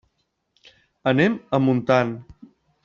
Anem a Montant.